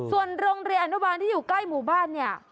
ส่วนโรงเรียนอนุบาลที่อยู่ใกล้หมู่บ้านเนี่ย